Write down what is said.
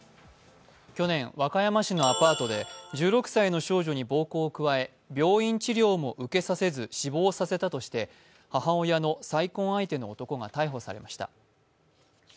去年、和歌山市のアパートで１６歳の少女に暴行を加え病院治療も受けさせず死亡させたとして母親の再婚相手の男が逮捕されました。